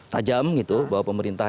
tajam gitu bahwa pemerintah